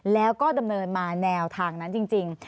แล้วก็ดำเนินมาแนวทางนั้นจริง